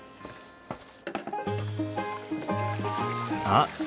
あっ！